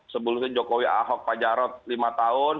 sebelumnya jokowi ahok pajarot lima tahun